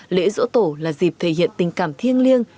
lễ dỗ tổ là dịp thể hiện tình cảm thiêng liêng